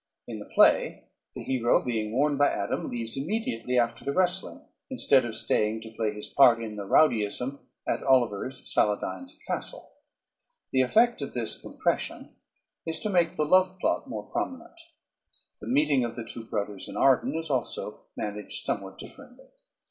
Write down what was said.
In the play the hero, being warned by Adam, leaves immediately after the wrestling, instead of staying to play his part in the rowdyism at Oliver's (Saladyne's) castle. The effect of this compression is to make the love plot more prominent. The meeting of the two brothers in Arden is also managed somewhat differently.